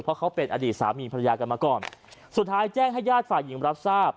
เพราะเขาเป็นอดีตสามีภรรยากันมาก่อนสุดท้ายแจ้งให้ญาติฝ่ายหญิงรับทราบ